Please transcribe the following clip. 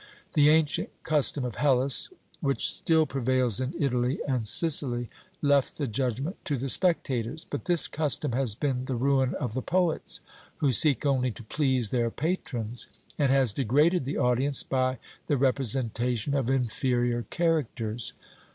The ancient custom of Hellas, which still prevails in Italy and Sicily, left the judgment to the spectators, but this custom has been the ruin of the poets, who seek only to please their patrons, and has degraded the audience by the representation of inferior characters.